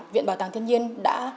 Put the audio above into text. viện bảo tàng thiên nhiên đã